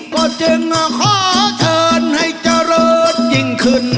ก็ชึ้งขอเชินให้เจ้าเรือนแลนด์ยิ่งขึ้น